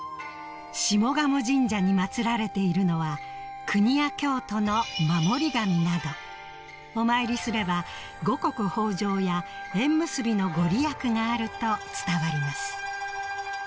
下鴨神社に祭られているのは国や京都の守り神などお参りすればの御利益があると伝わります